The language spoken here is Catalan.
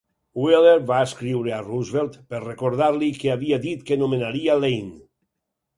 Wheeler va escriure a Roosevelt per recordar-li que havia dit que nomenaria Lane.